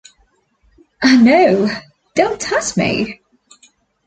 Ah no, don't touch me!